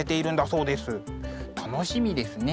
楽しみですね。